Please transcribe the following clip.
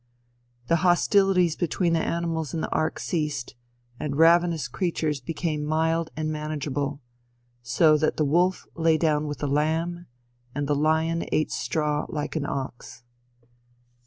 "The hostilities between the animals in the ark ceased, and ravenous creatures became mild and manageable, so that the wolf lay down with the lamb, and the lion ate straw like an ox.